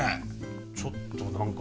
ちょっと何か。